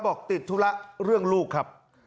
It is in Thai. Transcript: บอกติดธุระเรื่องลูกครับ